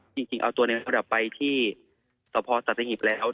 จริงเอาตัวในมดไปที่สภสัตว์ยิบเร็ว